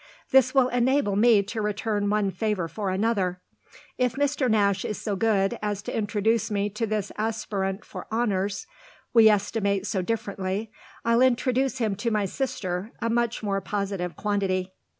This will enable me to return one favour for another. If Mr. Nash is so good as to introduce me to this aspirant for honours we estimate so differently, I'll introduce him to my sister, a much more positive quantity."